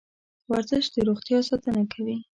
ورزش د روغتیا ساتنه کوي.